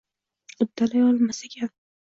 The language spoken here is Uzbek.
Uddalay olmas ekan